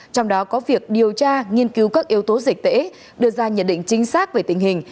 trong đó có việc điều tra nghiên cứu các yếu tố dịch tễ đưa ra nhận định chính xác về tình hình